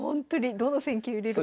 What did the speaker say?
どの戦型出るか。